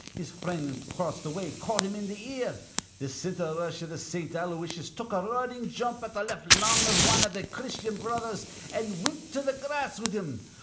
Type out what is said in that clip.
His frind acrost th' way caught him in th' ear. Th' cinter rush iv th' Saint Aloysiuses took a runnin' jump at th' left lung iv wan iv th' Christyan Brothers, an' wint to th' grass with him.